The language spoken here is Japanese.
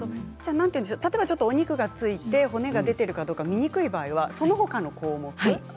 お肉がついて骨が出ているかどうか見にくい場合はそのほかのところですね。